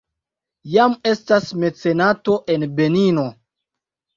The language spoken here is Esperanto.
Jam estas mecenato en Benino.